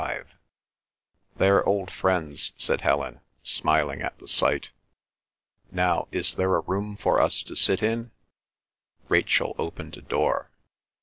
"They're old friends," said Helen, smiling at the sight. "Now, is there a room for us to sit in?" Rachel opened a door.